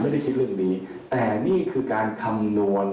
ไม่ได้คิดเรื่องนี้แต่นี่คือการคำนวณ